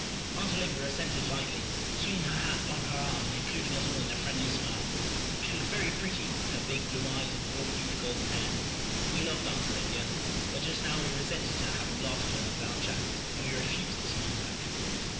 Aunt Olivia assented lightly, swinging her hat on her arm and including us all in a friendly smile. She looked very pretty, with her big blue eyes and warm hued golden hair. We loved Aunt Olivia; but just now we resented her having laughed at us with Aunt Janet, and we refused to smile back.